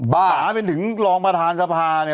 บ้าเป็นถึงรองประธานทรภานะ